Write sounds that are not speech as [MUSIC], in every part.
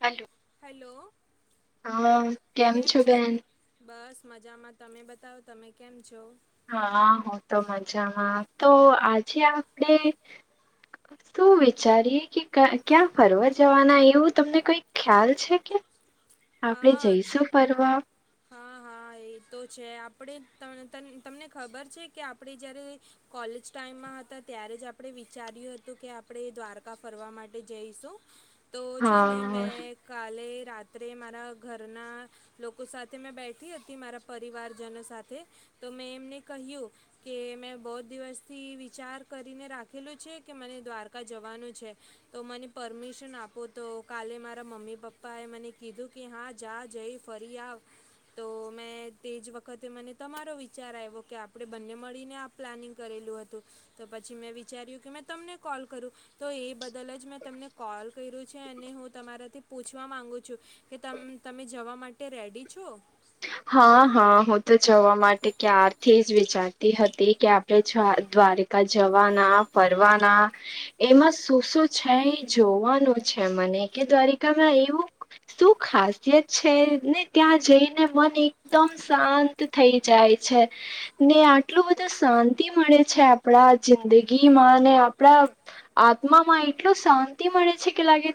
હાલો hello હા કેમ છો બેન? બસ મજામાં તમે બતાવો તમે કેમ છો? હા હૂ તો મજામાં તો આજે આપણેે શું વિચારીએ કે ક્યાં ફરવા જવાના એવું તમને કઈ ખ્યાલ છે કે? આપણે હા જઈશું ફરવા. હા હા એ તો છે આપડે તમ તમ તમને ખબર છે કે આપડે જયારે કોલેજ ટાઈમમાં ત્યારે જ આપડે વિચાર્યું હતું કે આપણે દ્વારકા ફરવા માટે જઈશું. તો છે ને હા મેં કાલે રાત્રે મારા ઘરના લોકો સાથે મેં બેઠી હતી મારા પરિવારજનો સાથે તો મેં એમને કહ્યું કે મેં બો દિવસથી વિચાર કરીને રાખેલું છે કે મને દ્વારકા જવાનું છે તો મને પરમિશન આપો તો તો કાલે મારા મમ્મી પપ્પાએ મને કીધું કે હા જા જઈ ફરી આવ તો મેં તે જ વખતે મને તમારો વિચાર આવ્યો કે આપણે બંને મળીને આ પ્લાનિંગ કરેલું હતું. તો પછી મેં વિચાર્યું કે મેં તમને કોલ કરું તો એ બદલ જ મેં તમને કોલ કર્યું છે અને હું તમારા થી પૂછવા માંગુ છું કે તમ તમે જવા માટે રેડી છો? હા હા હું તો જવા માટે ક્યારથી જ વિચારતી હતી કે આપણે છ દ્વારે જવાના ફરવાના એમાં શું શું છે જોવાનું છે મને. કે દ્વારિકામાં એવું શું ખાસિયત છે ને ત્યાં જઈને મત એકદમ શાંત થઈ જાય છે ને આટલું બધું શાંતિ મળે છે. આપણા જિંદગી માં ને આપણા આત્મામાં એટલું શાંતિ મળે છે કે લાગે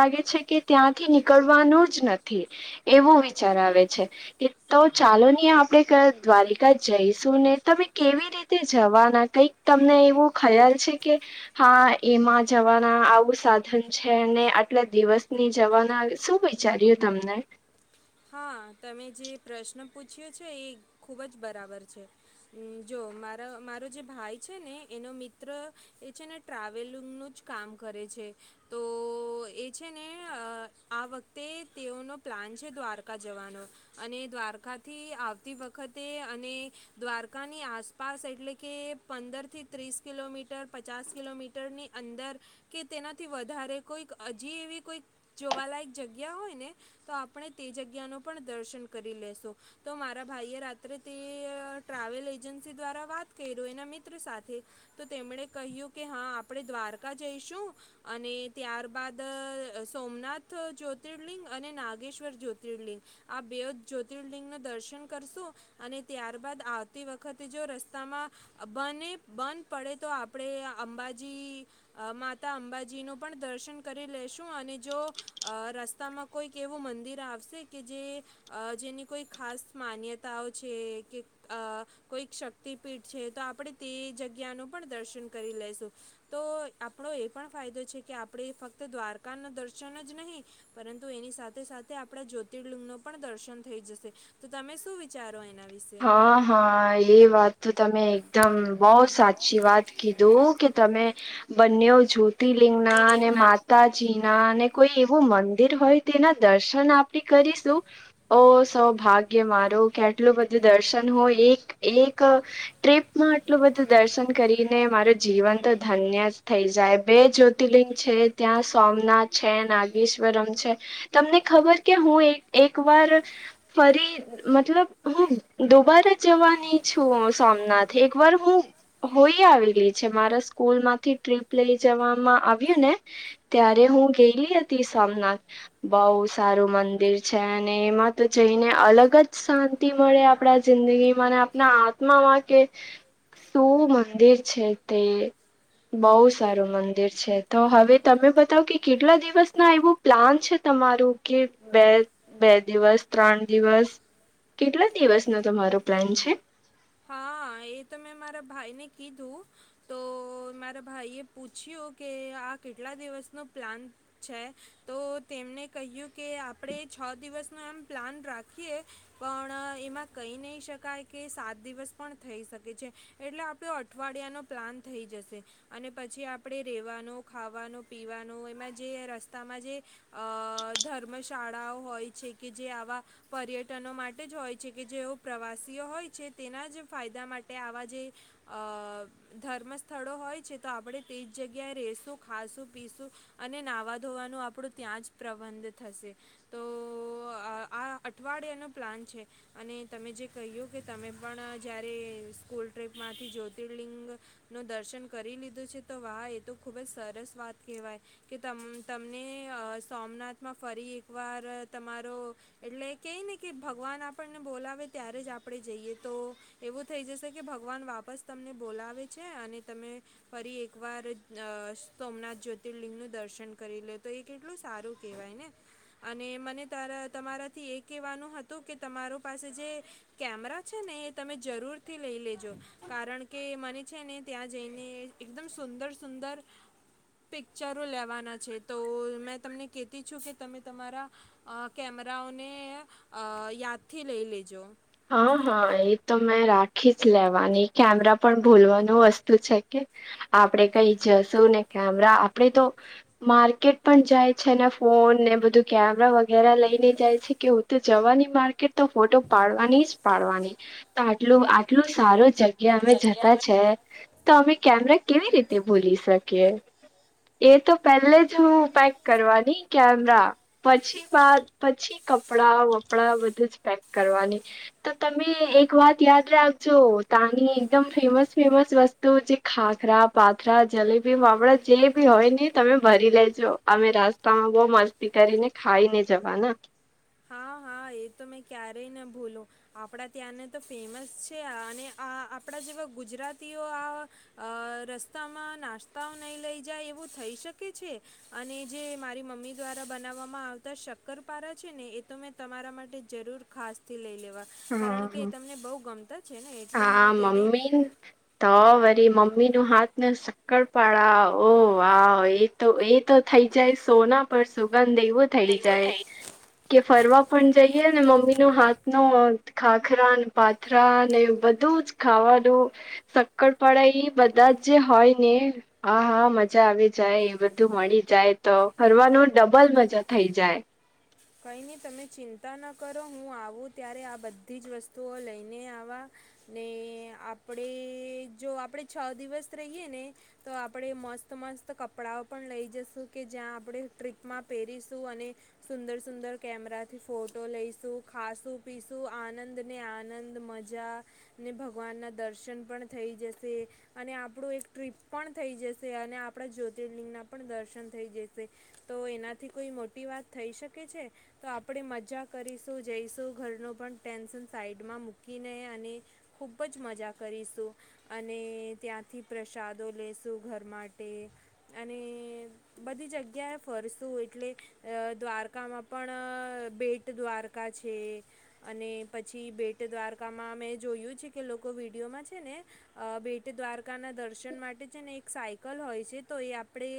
લાગે છે કે ત્યાંથી નીકળવાનું જ નથી એવું વિચાર આવે છે. તો ચાલો ની આપડે દ્વારિકા જઈશું ને તમે કેવી રીતે જવાના- - તમને એવું ખ્યાલ છે કે હા એમાં જવાના આવું સાધન છે? આટલા દિવસની જવાના શું વિચાર્યું તમને? હા તમે જે પ્રશ્ન પૂછ્યો છે એ ખુબ જ બરાબર છે. જો મારા મારો જે ભાઈ છે ને એનો મિત્ર એ છે ને ટ્રાવેલિંગ નુ જ- - કામ કરે છે તો એ છે ને આ વખતે તેઓનો પ્લા- - હજ દ્વારકા- - જવાનો અને દ્વારકાથી આવતી વખતે અને દ્વારકાની આસપાસ- એટલે કે પંદર થી ત્રીસ કિલોમીટર પચાસ કિલોમીટર ની અંદર કે તેના થી વધ કોઈ હજી એવી કોઈ જોવાલાયક જગ્યા હોય ને તો આપણે તે જગ્યા ન પણ દર્શન કરી લેશો તો મારા ભાઈ એ રાત્રે તે ટ્રાવેલ એજન્સી દ્વારા વાત કર એના મિત્ર સાથે તો તેમણે કહ્યું કે હા આપણે દ્વારકા જઈશું અને ત્યારબાદ સોમનાથ જ્યોતિર્લિંગ અને નાગેશ્વર જ્યોતિ જ્યોતિર્લિંગ આ બે જ્યોતિર્લિંગ ન દર્શન કરશું અને ત્યારબાદ આવતી વખતે જો રસ્તામાં બને બંધ પડે તો આપણેે અંબાજી માતા અંબાજી નું પણ દર્શન કરી લેશું અને જો રસ્તામાં કોઈક એવું મંદિર આવશે કે જે જેની કોઈ ખાસ માન્યતાઓ છે કે કોઈ શ શક્તિપીઠ છે તો આપણેે તે જગ્યા ન પણ દર્શન કરી લેશું તો આપણો એ પણ ફાયદો છે કે આપણે ફક્ત દ્વારકા ના દર્શન જ નહીં પરંતુ એની સાથે સાથે આપણે જ્યોતિ તર્લિંગ નું પણ દર્શન થઈ જશે તો તમે શું વિચારો એના વિશે હા હા એ વાત તો તમે એકદમ બહ સાચી વાત કીધું કે તમે બંને જ્યોતિર્લિંગ ના અને માતાજી ના અને કોઈ એવું મંદિર હોય તેના દર્શન આપણે કરીશું ઓ સૌભાગ્ય ગે મારો કેટલુંધ દર્શન હોય એક એક ટ્રીપમાં આટલું બધું દર્શન કરીને મારું જીવન ધન્ય થઈ જાય બે જ્યોતિર્લિંગ છે ત્યાં સોમનાથ છે નાગેશ્વરમ છે તમને ખબર કે હું એક વાર ફરી મતલબ હું દોબાર જ જવાની છું સોમનાથ એક વાર હું હોઈ આવેલી છે મારા સ્કૂલ માંથી ટ્રીપ લઈ જવામાં આવ્યું ને ત્યારે હું ગયેલી હતી સોમનાથ બઉ સારું મંદિર છે અને એમાં તો જઈને અલગ જ શાંતિ મળે આપણા જિંદગીમાંને આપણા આત્મામાં કે શું મંદિર છે તે બઉ સારું મંદિર છે તો હવે તમે બતાવ કે કેટલા દિવસ ના એવું પ્લાન છે તમારું કે બે બે દિવસ ત્રણ દિવસ કેટલા દિવસ ન તમારો પ્લાન છે હા એ મે મારા ભાઈને કીધું તો મારા ભાઈ એ પૂછ્યું કે કેટલા દિવસનો પ્લાન છે તો તેમને કહ્યું કે આપણે છ દિવસ એમ પ્લાન રાખીએ પણ એમાં કહી નહી શકાય કે સાત દિવસ પણ થઈ શકે છે એટલે આપણો અઠવાડિયાનો પ્લાન થઈ જશે અને પછી આપણે રેવાનો ખાવાનું પીવાનું એમાં જે રસ્તામાં જે અ ધર્મ શાળાઓ હોય છે છે કે જે આવા પર્યટનો માટે જ હોય છે કે જેઓ પ્રવાસીઓ હોય છે તેના જ ફાયદા માટે આવા જે અ ધર્મ સ્થળો હોય છે તો આપણે તે જ જગ્યાએ ર ખશું પીશું અને નાહવા ધોવાનું આપણું ત્યાં જ પ્રબંધ થશે તો તો આ અઠવાડિયાનો પ્લાન છે અને તમે જે કહ્યું કે તમે પણ જયારે સ્કૂલ ટ્રીપ માંથી જ્યોતિર્લિંગ નું દર્શન કરી લીધું છે તો વાહ એ તો ખૂબ જ સરસ વાત કહેવાય કે ત તમને સોમનાથમાં ફરી એકવાર તમારો એટલે કઈ ને કે ભગવાન આપણને બોલાવે ત્યારે જ આપણેે જઈએ તો એવું થઈ જશે કે ભગવાન વાપસ તમને બોલાવે છે અને તમે ફરી એકવાર સોમનાથ જ્યોતિર્લિંગ નું દર્શન કરી લે તો એ કેટલું સારું કેહેવાય ને. અને મને ત તમારાથી એ કેવાનું હતું કે તમારો પાસે જે કેમેરા છે ને એ તમે જરૂરથી લઈ લેજો કારણ કે મને છે ને ત્યાં જઈને એકદમ સુંદર સુંદર સુંદર. પિક્ચરો લેવાના છે તો મેં તમને કતી છું કે તમે તમારા કેમ રાઓને યાદથી લઈ લેજો. હા હા એ તો મેં રાખી જ લેવાની કેમેરા પણ ભૂલવાનું વસ્તુ છે કે. આપડે કઈ જશું ને કેમરા આપડે તો માર્કેટ પણ જાય છે ને ફોન ને બધું કેમેરા વગેરે લઈને જાય છે કે હું તો જવાની માર્કેટ તો ફોટો પાડ જ પાડવાની તો આટલું આટલું સારું જગ્યા અમે જતા છે. તો અમે કેમેરા કેવી રીતે ભૂલી શકીએ. એ તો પેલે જ હું પેક કરવાની કેમરા પછી બાદ પછી કપડાં વપડા બધું જ પેક કરવાની. તો તમે એક વાત યાદ રાખજો તની એકદમ ફેમસ ફેમસ વસ્તુ જે ખાખરા પાથરા જલેબી વામડા જે બી હોય ને તમે ભરી લેજો અમે રસ્તામાં બહ મસ્તી કરીને ખાઈ ને જવા. હા હા એ તો મેં ક્યારેય ન ભોલો આપડા ત્યાંને તો ફેમસ છે અને આપડા જેવા ગુજરાતીઓ આ રસ્તામાં નાસ્તાઓ નહી લઈ જાય એવું થઈ શકે. અને જે મારી મમ્મી દ્વારા બનાવવામાં આવતા શક્કરપારા છે ને એ તો મે તમારા માટે જરૂર ખાસથી લઈ લેવા કારણ કે હા એ તમને બહ ગમતા છે ને એટલે હા હું તેને મમ્મી તો વરી મમ્મી ન હાથ ને સક્કર પાડા ઓ વાવ એ તો એ તો થઈ જાય સો પરસું બંધ એવું થઈ જાય કે ફરવા પણ જઈએ ને મમ્મી નો હાથ નો ખાખરા અનેને પાથરા અને બધું જ ખાવાનું સક્કરપળાઈ બધા જે હોય ને અહહ મજા આવી જાય એ બધું મળી જાય તો ફરવાનું ડબલ મજા થઈ જાય. કઈ નહી તમે ચિંતા ન કરો હું આવું ત્યારે આ બધી જ વસ્તુઓ લઈને આવા. ને આપડે જો આપડે છ દિવસ રહીયએ ને તો આપડે મો મસ્ત મસ્ત કપડાઓ પણ લઈ જશ કે જ્યાં આપણે ટ્રીપમાં પરીશું અને સુંદર સુંદર કેમેરાથી ફોટો લઈશું ખાાસું પીશું આનંદ ને આનંદ મજા ને ભગવાન ના દર્શન પણ થઈ જશે અને આપણું એક ટ્રીપ પણ થઈ જશે. અને આપણા જ્યોતિર્લિંગ ના પણ દર્શન થઈ જશે તો એનાથી કોઈ મોટી વાત થઈ શકે. ઓકે છે તો આપણે મજા કરીશું જઈશું ઘરનું પણ ટેન્શન સાઈડમાં મૂકીને અને ખૂબ જ મજા કરીશું અને ત્યાંથી પ્રસાદો લેશું ઘરમાં માટે અને બધી જગ્યાએ ફરશું એટલે આ દ્વારકા દ્વારકામાં પણ બેટ દ્વારકા છે અને પછી બેટ દ્વારકામાં અ જોયું છે કે લોકો વિડીયોમાં છે ને ભ બેટ દ્વારકા ના દર્શન માટે છે ને એક હોય છે તો એ આપણે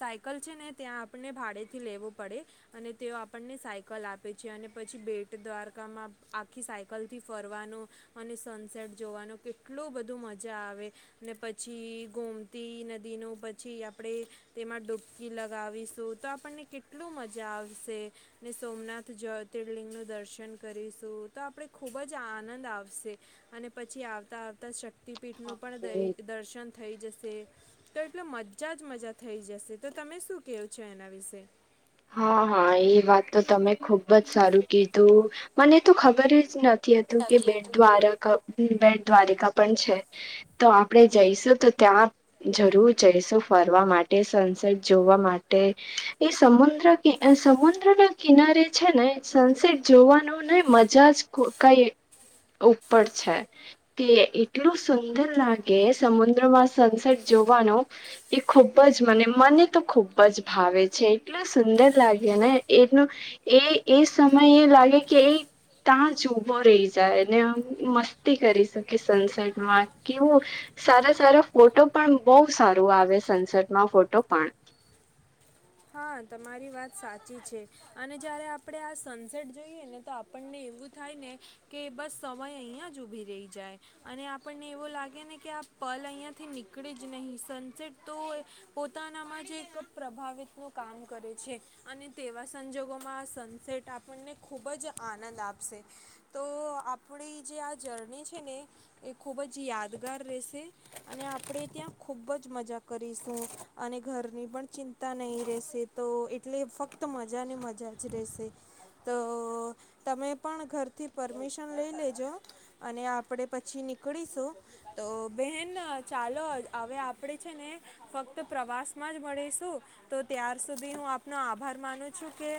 સાયકલ છે ને ત્યાં આપને ભાડે થી લેવો પડે અને તેઓ આપણને સાયકલ આપે છે અને પછી બેટ દ્વારકામાં આખી સાયકલથી ફરવાનો અને સનસેટ જોવાનો કેટલું બધું મજા આવે ને પછી ગોમતી નદી ન પછી આપણેે તેમાં ડૂબકી લગાવીશું તો આપણને કેટલું મજા આવશે ને સોમનાથ જ્યોતિર્લિંગનું દર્શન કરીશું તો આપણે ખૂબ જ આનંદ આવશે અને પછી આવતા આવતા શક ક્તિપીઠનું પણ દર્શન થઈ જશે. તો એટલો મજા જ મજા થઈ જશે તો તમે શું કવું છો એના વિશે? હા હા એ વાત તો તમે ખુબ જ સારું કીધું મને તો ખબર જ નથી. હતું કે બેડ દ્વારાક બેટ દ્વારિકા પણ છે તો આપણેે જઈશું તો ત્યાં જરૂર જઈશું ફરવા માટે સનસેટ જોવા માટે એ સમુ દ્ર સમુદ્ર ના કિનારે છે ને સનસેટ જોવાનું ને મજા જ કઈ ઈ ઉપર છે તે એટલું સુંદર લાગે સમુદ્રમાં સનસેટ જોવા એ ખૂબ જ મને મને તો ખૂબ જ ભાવે છે એટલે સુંદર લાગે ને એનું એ એ સમય એ લાગે કે એ ત્યાં જ ઉભો રહી જાય ને મસ્તી કરી શકે સનસેટમાં કેવું સારા સારા ફોટો પણ બહુ સારું આવે સનસેટમાં ફોટો પણ. [INAUDIBLE] હા તમારી વાત સાચી છે અને જ્યારે આપણે આ સનસેટ જોઈએ ને તો આપણને એવું જ થાય ને કે બસ સમય અહં જ ઉભી રહી જાય અને આપણને એવો લાગે ને કે પ લ અહીંયાથી નીકળી જ નહીં સનસેટ તો પોતાનામાં જ એક પ્રભાવિત નુ કામ કરે છે અને તેવા સંજોગોમાં આ સનસેટ આપણને ખૂબ જ આનંદ આપશે તો આપણી જે આ જર્ની છે ને એ ખૂબ જ યાદગાર રહેશે અને આપણેે ત્યાં ખુબ જ મજા કરીશું અને ઘરની પણ ચિંતા નહી રહે વે તો એટલે ફક્ત મજા ને મજા જ રહેશે તો તમે પણ ઘરથી પરમિશન લઈ લેજો અને આપડે પછી નીળીશું તો બેન ચાલો હવે આપણે છે ને ફક્ત પ્રવાસ માં જ મળીશું તો ત્યાર સુધી હું આપનો આભાર માનું છું કે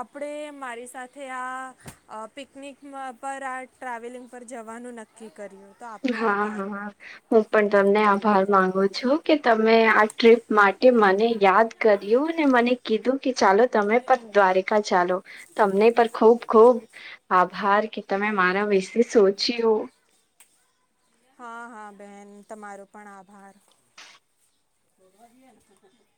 આપણે મારી સાથે આ પિકનિકમાં પર આ ટ્રાવેલિંગ પર જવાનું નક્કી કર્યું તો આપનો હા આભાર હા હું પણ તમને આભાર મામાંગુ છું કે તમે આ ટ્રીપ માટે કે મને યાદ કર્યું મને કીધું કે ચાલો તમે પણ દ્વારિકા ચાલો તમને પર ખૂબ ખૂબ આભાર કે તમે નિકાલ મારા લીજે વીસ સોચીયુ હા હા બેહેન તમારો પણ આભાર. [UNINTELLIGIBLE]